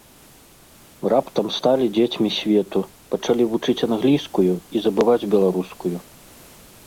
Раптам сталі дзецьмі свету, пачалі вучыць англійскую і забываць беларускую.